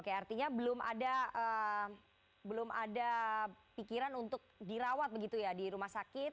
oke artinya belum ada pikiran untuk dirawat begitu ya di rumah sakit